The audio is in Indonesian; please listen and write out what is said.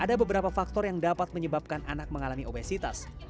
ada beberapa faktor yang dapat menyebabkan anak mengalami obesitas